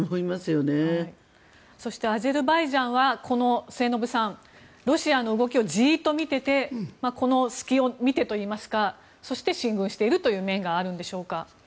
末延さん、そしてアゼルバイジャンはこのロシアの動きをじっと見ていてこの隙を見てといいますかそして、進軍しているという面があるのでしょうか。